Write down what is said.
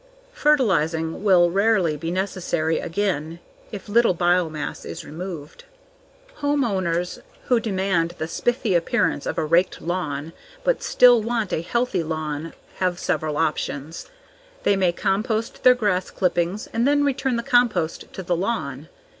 Fertilizing will rarely be necessary again if little biomass is removed. Homeowners who demand the spiffy appearance of a raked lawn but still want a healthy lawn have several options. They may compost their grass clippings and then return the compost to the lawn.